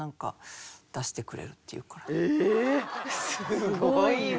すごいな。